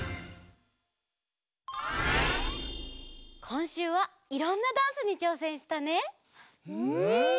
こんしゅうはいろんなダンスにちょうせんしたね。